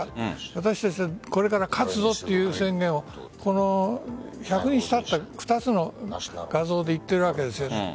私たちはこれから勝つぞという宣言を１００日たった２つの画像で言っているわけです。